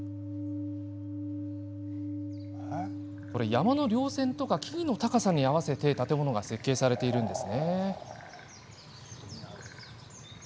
山のりょう線とか木々の高さに合わせて建物が設計されているんです。